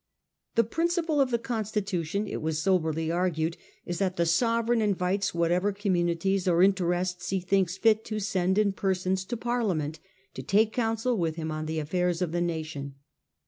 The prin ciple of the Constitution, it was soberly argued, is that the Sovereign invites whatever communities or inte rests he thinks fit to send in persons to Parliament to take council with him on the affairs of the nation.